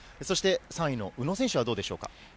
そして、３位の宇野選手はどうでしょうか。